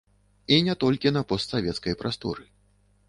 І не толькі на постсавецкай прасторы.